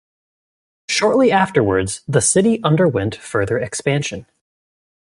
Shortly afterwards, the city underwent further expansion.